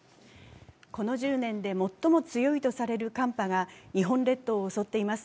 この１０年で最も強いとされる寒波が日本列島を襲っています。